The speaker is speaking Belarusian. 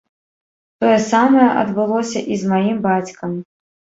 Тое самае адбылося і з маім бацькам.